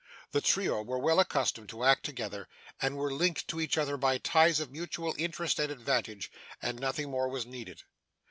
The trio were well accustomed to act together, and were linked to each other by ties of mutual interest and advantage, and nothing more was needed.